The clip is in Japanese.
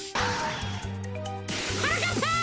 はなかっぱ！